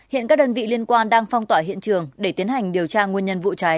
hiện các đơn vị liên quan đang phong tỏa hiện trường để tiến hành điều tra nguyên nhân vụ cháy